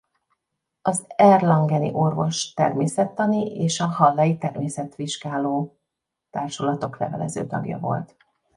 Az erlangeni orvos-természettani és a hallei természetvizsgáló társulatok levelező tagja volt.